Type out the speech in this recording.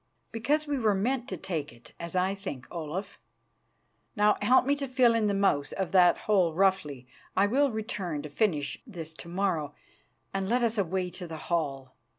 "Because we were meant to take it, as I think, Olaf. Now, help me to fill in the mouth of that hole roughly I will return to finish this to morrow and let us away to the hall.